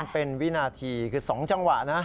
เป็นวินาทีคือ๒จังหวะนะ